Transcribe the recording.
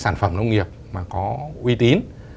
sản phẩm nông nghiệp mà có uy tín